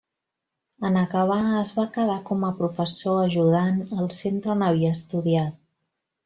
En acabar, es va quedar com a professor ajudant al centre on havia estudiat.